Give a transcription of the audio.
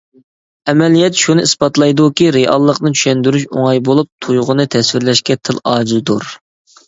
ئەمەلىيەت شۇنى ئىسپاتلايدۇكى، رېئاللىقنى چۈشەندۈرۈش ئوڭاي بولۇپ، تۇيغۇنى تەسۋىرلەشكە تىل ئاجىزدۇر.